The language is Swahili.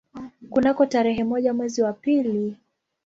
Kunako tarehe moja mwezi wa pili